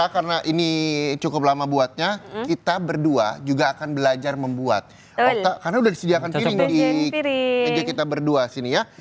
kita berdua juga akan belajar membuat karena sudah disediakan piring kita berdua sini ya